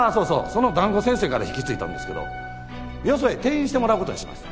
そのだんご先生から引き継いだんですけどよそへ転院してもらう事にします。